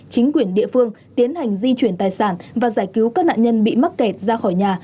chính quyền địa phương tiến hành di chuyển tài sản và giải cứu các nạn nhân bị mắc kẹt ra khỏi nhà